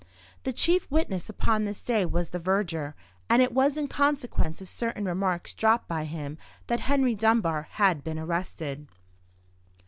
The chief witness upon this day was the verger; and it was in consequence of certain remarks dropped by him that Henry Dunbar had been arrested.